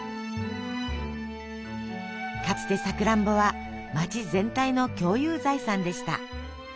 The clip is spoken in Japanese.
かつてさくらんぼは街全体の共有財産でした。